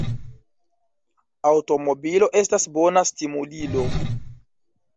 Aŭtomobilo estas bona stimulilo.